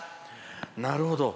なるほど。